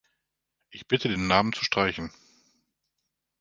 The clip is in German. Ich bitte, den Namen zu streichen.